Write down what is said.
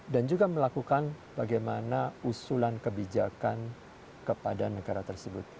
dan juga melakukan bagaimana usulan kebijakan kepada negara tersebut